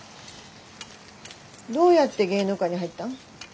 どうやって芸能界に入ったん？